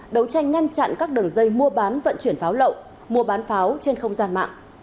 đấu tranh ngăn chặn các đường dây mua bán vận chuyển pháo lậu mua bán pháo trên không gian mạng